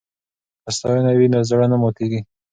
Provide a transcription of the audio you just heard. که ستاینه وي نو زړه نه ماتیږي.